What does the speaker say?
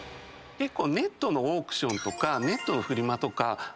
結構。